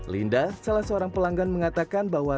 linda salah seorang pelanggan mengatakan bahwa